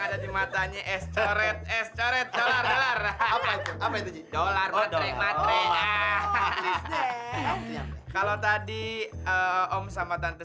hai ah ah ah hai sehari hari cewek kulkas motor